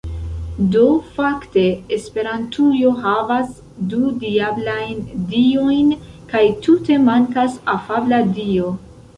Do fakte esperantujo havas du diablajn diojn kaj tute mankas afabla dio